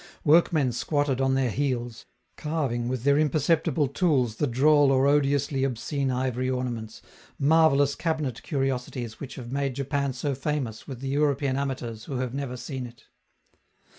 Workmen squatted on their heels, carving with their imperceptible tools the droll or odiously obscene ivory ornaments, marvellous cabinet curiosities which have made Japan so famous with the European amateurs who have never seen it.